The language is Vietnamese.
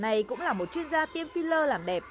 này cũng là một chuyên gia tiêm phila